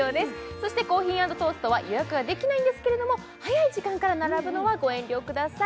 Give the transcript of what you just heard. そしてコーヒー＆トーストは予約はできないんですけれども、早い時間から並ぶのはご遠慮ください。